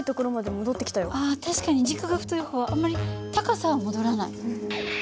確かに軸が太い方はあんまり高さは戻らない。